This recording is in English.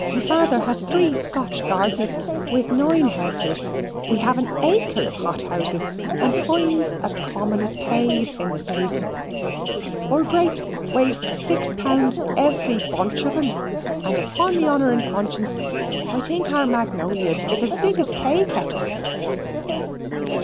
"Me fawther has three Scotch garners with nine helpers. We have an acre of hot houses, and pines as common as pays in the sayson. Our greeps weighs six pounds every bunch of 'em, and upon me honour and conscience I think our magnolias is as big as taykettles."